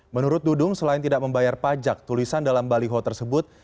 menurut dudung selain tidak membayar pajak tulisan dalam baliho tersebut